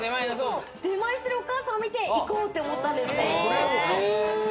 出前してるお母さんを見て行こうと思ったんですね。